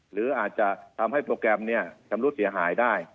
หรืออาจจะทำให้โปรแกรมชำรุดเสียหายได้